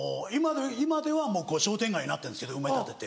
今ではもう商店街になってるんですけど埋め立てて。